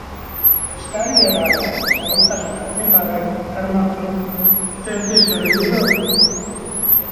Eraikinaren egiturak ez du kalterik, baina eskaileraren segurtasuna ezin da bermatu.